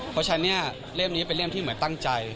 เพราะฉะนั้นเนี่ยเล่มนี้เป็นเล่มที่เหมือนตั้งใจ